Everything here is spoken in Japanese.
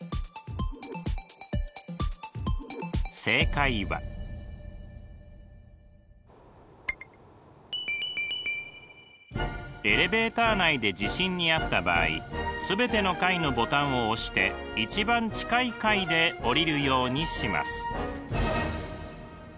正解はエレベーター内で地震にあった場合すべての階のボタンを押して一番近い階でおりるようにします。